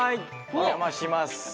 お邪魔します。